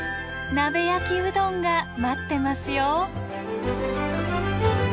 鍋焼きうどんが待ってますよ。